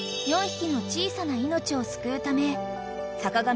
［４匹の小さな命を救うため坂上